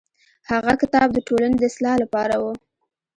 هغه کتاب د ټولنې د اصلاح لپاره و.